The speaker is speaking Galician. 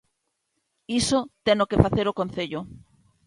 Iso teno que facer o concello.